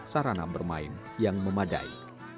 sarana bermain yang memadai